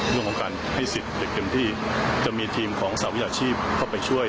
เรื่องของการให้สิทธิ์อย่างเต็มที่จะมีทีมของสหวิชาชีพเข้าไปช่วย